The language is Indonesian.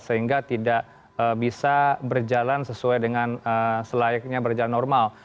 sehingga tidak bisa berjalan sesuai dengan selayaknya berjalan normal